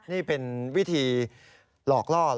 นี่เป็นวิธีหลอกล่อเหรอ